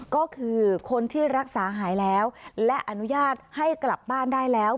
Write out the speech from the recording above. ก็คือคนที่รักษาหายแล้วและอนุญาตให้กลับบ้านได้แล้ว